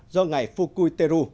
do ngày fukuichi